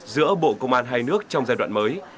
giữa bộ công an hai nước trong giai đoạn mới